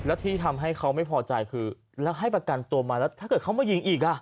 แล้วที่ทำให้เขาไม่พอใจคือแล้วให้ประกันตัวมาแล้วถ้าเกิดเขามายิงอีกอ่ะ